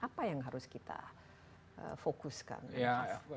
apa yang harus kita fokuskan